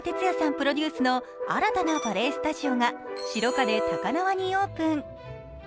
プロデュースの新たなバレエスタジオが白金高輪にオープン。